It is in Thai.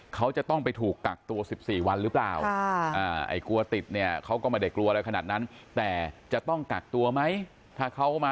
เขาจะต้องไปถูกกักตัว๑๔วันหรือเปล่า